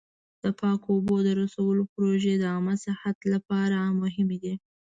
د پاکو اوبو د رسولو پروژې د عامه صحت لپاره مهمې دي.